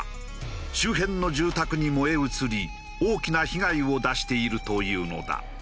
周辺の住宅に燃え移り大きな被害を出しているというのだ。